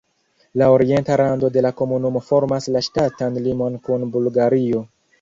La orienta rando de la komunumo formas la ŝtatan limon kun Bulgario.